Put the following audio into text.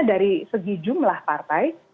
dari segi jumlah partai